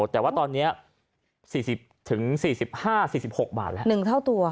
แต่ว่าตอนนี้๔๐๔๖บาท